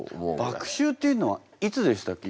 「麦秋」っていうのはいつでしたっけ？